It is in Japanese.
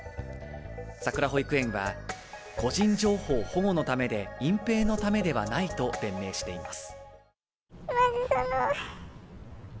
さくら保育園は個人情報保護のためで隠蔽のためではないと弁明しています。